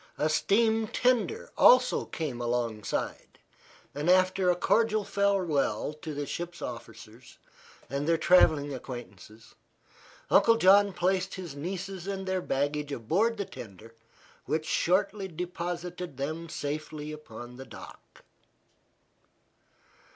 A steam tender also came alongside, and after a cordial farewell to the ship's officers and their travelling acquaintances, Uncle John placed his nieces and their baggage aboard the tender, which shortly deposited them safely upon the dock.